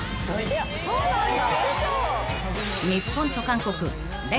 そうなんだ。